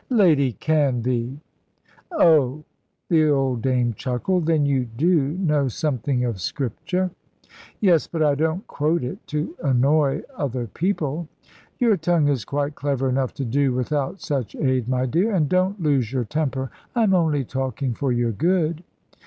"Lady Canvey!" "Oh," the old dame chuckled, "then you do know something of Scripture." "Yes, but I don't quote it to annoy other people." "Your tongue is quite clever enough to do without such aid, my dear. And don't lose your temper I am only talking for your good."